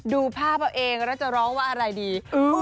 ดูภาพเอาเองแล้วจะร้องว่าอะไรดี